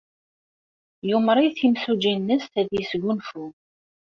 Yumeṛ-it yimsujji-nnes ad yesgunfu.